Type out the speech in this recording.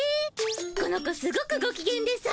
この子すごくごきげんでさ。